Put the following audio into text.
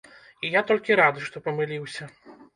І я толькі рады, што памыліўся.